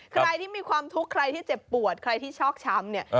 ใครที่มีความทุกข์ใครที่เจ็บปวดใครที่ชอกช้ำเนี่ย